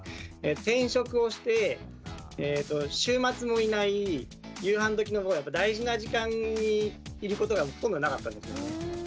転職をして週末もいない夕飯どきの大事な時間にいることがほとんどなかったんですよね。